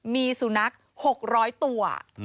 มีสุนัข๖๐๐ตัว